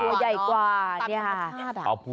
ตัวใหญ่กว่าเนี่ยค่ะ